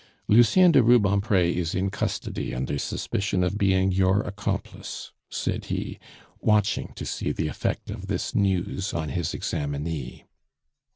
"Lucien de Rubempre is in custody under suspicion of being your accomplice," said he, watching to see the effect of this news on his examinee.